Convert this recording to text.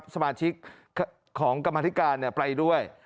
สมาชิกของกรรมธิการไปด้วย